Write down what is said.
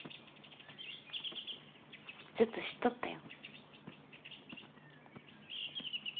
ずっと知っとったよ。